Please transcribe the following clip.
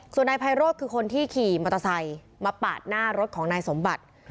ส่วนนายไพโรธคือคนที่ขี่มอเตอร์ไซค์มาปาดหน้ารถของนายสมบัติ